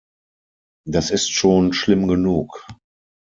Das ist schon schlimm genug.